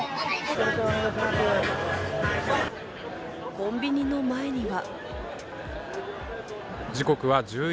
コンビニの前には。